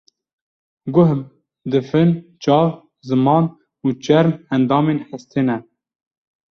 Guh, difin, çav, ziman û çerm endamên hestê ne.